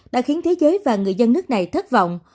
đã khiến thế giới và người dân nước này thất vọng